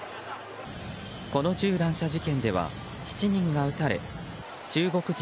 この銃乱射事件では７人が撃たれ中国人